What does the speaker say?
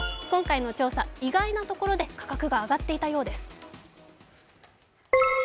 今回の調査、意外なところで価格が上がっていたようです。